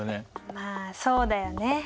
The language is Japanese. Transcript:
まあそうだよね。